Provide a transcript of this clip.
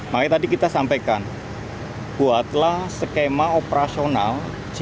makanya tadi kita sampaikan buatlah skema operasional